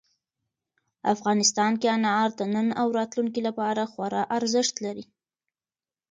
افغانستان کې انار د نن او راتلونکي لپاره خورا ارزښت لري.